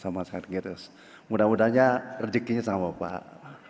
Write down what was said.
mudah mudahnya rezekinya sama pak